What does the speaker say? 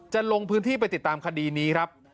ลงพื้นที่ไปติดตามคดีนี้ครับ